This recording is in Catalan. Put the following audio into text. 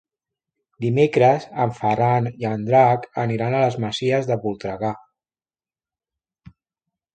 Dimecres en Ferran i en Drac aniran a les Masies de Voltregà.